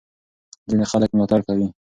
ځینې خلک ملاتړ کوي.